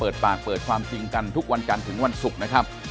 เจอความจริงกันทุกวันกันถึงวันศุกร์นะครับ